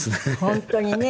本当にね。